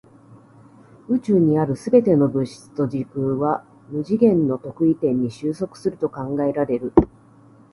宇宙にある全ての物質と時空は無次元の特異点に収束すると考えられる。